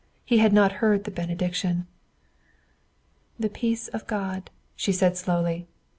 He had not heard the benediction. "The peace of God!" she said slowly.